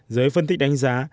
giới phân tích đánh giá